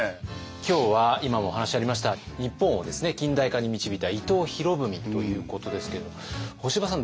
今日は今もお話ありました日本を近代化に導いた伊藤博文ということですけれども干場さん